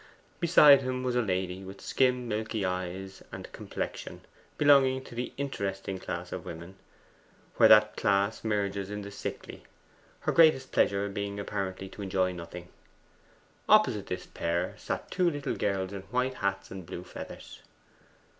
Beside him was a lady with skim milky eyes and complexion, belonging to the "interesting" class of women, where that class merges in the sickly, her greatest pleasure being apparently to enjoy nothing. Opposite this pair sat two little girls in white hats and blue feathers.